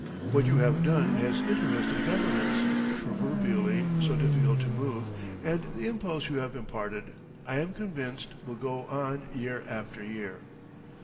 What you have done has interested governments proverbially so difficult to move and the impulse you have imparted, I am convinced, will go on year after year."